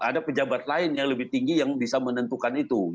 ada pejabat lain yang lebih tinggi yang bisa menentukan itu